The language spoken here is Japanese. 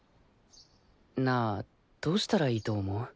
なあどうしたらいいと思う？